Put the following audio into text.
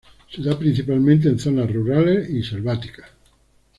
Se da principalmente en zonas rurales y selváticas.